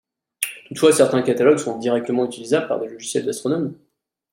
Toutefois certains catalogues sont directement utilisables par des logiciels d'astronomie.